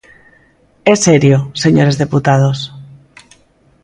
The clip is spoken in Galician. É serio, señores deputados.